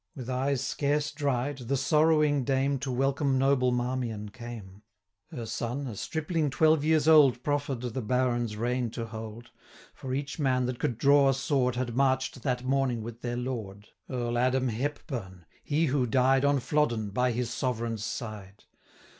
With eyes scarce dried, the sorrowing dame, To welcome noble Marmion, came; Her son, a stripling twelve years old, Proffer'd the Baron's rein to hold; 245 For each man that could draw a sword Had march'd that morning with their lord, Earl Adam Hepburn, he who died On Flodden, by his sovereign's side.